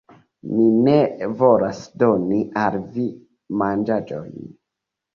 Mi ne volas doni al vi manĝaĵon.